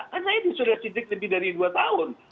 karena saya sudah disidik lebih dari dua tahun